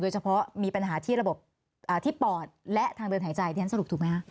เฉพาะมีปัญหาที่ระบบที่ปอดและทางเดินหายใจเรียนสรุปถูกไหมคะ